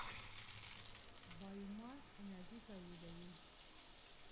بایوماس انرژي تولیدوي.